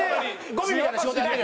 ゴミみたいな仕事やってる。